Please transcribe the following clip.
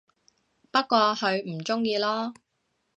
不過佢唔鍾意囉